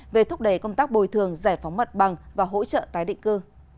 về thúc đẩy công tác bồi thường giải phóng mặt bằng và hỗ trợ tái định cư